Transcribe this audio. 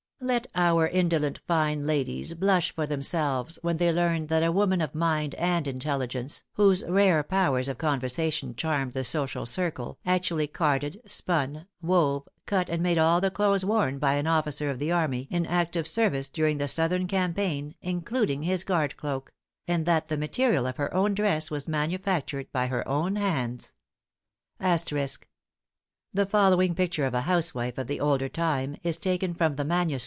Let our indolent fine ladies blush for themselves when they learn that a woman of mind and intelligence, whose rare powers of conversation charmed the social circle, actually carded, spun, wove, cut and made all the clothes worn by an officer of the army in active service during the southern campaign, including his guard cloak; and that the material of her own dress was manufactured by her own hands! The following picture of a housewife of the older time is taken from the MS.